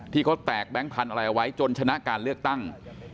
ที่เขาแตกแบงค์พันธุ์อะไรเอาไว้จนชนะการเลือกตั้ง